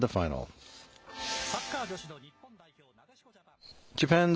サッカー女子の日本代表、なでしこジャパン。